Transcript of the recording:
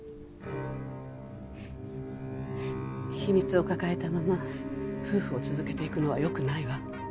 秘密を抱えたまま夫婦を続けていくのは良くないわ。